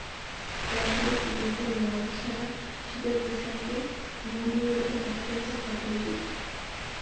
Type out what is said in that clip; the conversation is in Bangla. প্লাস্টিকের পুতুলগুলো লাল-সাদা শীতের পোশাকে মোহনীয় রূপে তাকিয়ে আছে খদ্দেরের দিকে।